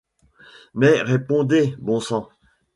Mais répondez, bon sang !